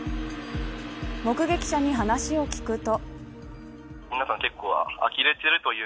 目撃者に話を聞くと。